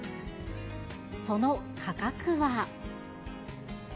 その価格は。